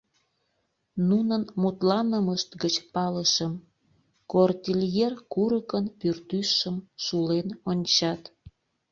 Нунын мутланымышт гыч палышым: Кордильер курыкын пӱртӱсшым шулен ончат.